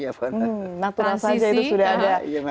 natural saja itu sudah ada